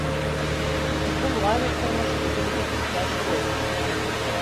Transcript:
Һеҙҙең лагерь тормошо үҙенекен итә шул ул